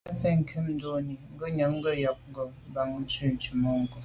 Tà nse’ nkum ndonni, ngùnyàm ke’ yon njen ngo’ bàn nzwi tswemanko’.